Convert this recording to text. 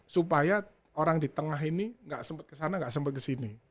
supaya orang di tengah ini gak sempet kesana gak sempet kesini